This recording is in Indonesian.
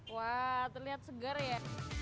wah terlihat segar ya